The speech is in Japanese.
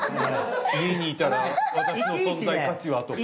家にいたら私の存在価値はとか。